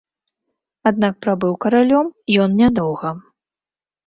Аднак прабыў каралём ён нядоўга.